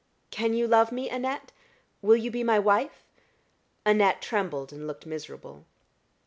"Can you love me, Annette? Will you be my wife?" Annette trembled and looked miserable.